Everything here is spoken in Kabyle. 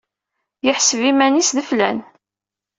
Yeḥseb iman-nnes d flan.